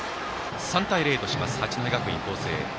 ３対０とします、八戸学院光星。